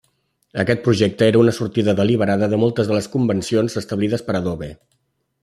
Aquest projecte era una sortida deliberada de moltes de les convencions establides per Adobe.